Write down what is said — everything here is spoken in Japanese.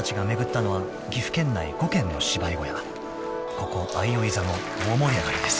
［ここ相生座も大盛り上がりです］